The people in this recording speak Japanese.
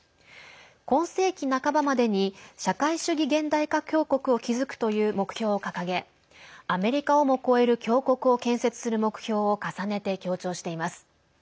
今世紀半ばまでに社会主義現代化強国を築くという目標を掲げアメリカをも超える強国を建設する目標を重ねて強調しています。